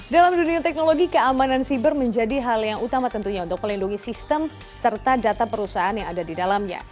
dalam dunia teknologi keamanan siber menjadi hal yang utama tentunya untuk melindungi sistem serta data perusahaan yang ada di dalamnya